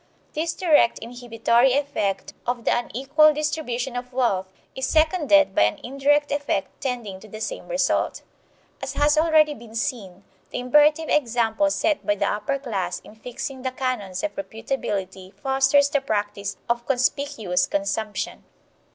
This direct inhibitory effect of the unequal distribution of wealth is seconded by an indirect effect tending to the same result. As has already been seen, the imperative example set by the upper class in fixing the canons of reputability fosters the practice of conspicuous consumption.